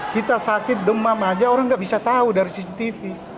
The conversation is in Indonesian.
kita sakit demam aja orang nggak bisa tahu dari cctv